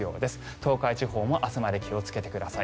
東海地方も明日まで気をつけてください。